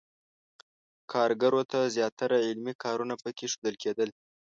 کارګرو ته زیاتره عملي کارونه پکې ښودل کېدل.